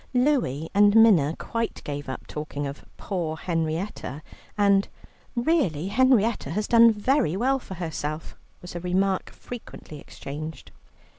Louie and Minna quite gave up talking of "poor Henrietta," and "Really Henrietta has done very well for herself," was a remark frequently exchanged.